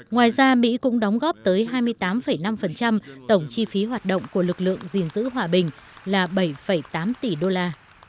ngoài ra mỹ cũng đóng góp tới hai mươi tám năm tổng chi phí hoạt động của lực lượng gìn giữ hòa bình là bảy tám tỷ đô la